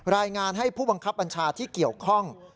รายงานให้ผู้บังคับบัญชาที่เกี่ยวข้อง